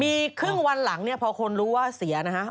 มีครึ่งวันหลังเนี่ยพอคนรู้ว่าเสียนะฮะ